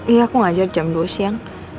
iya aku ngajak jam dua siang